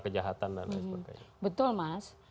kejahatan dan lain sebagainya betul mas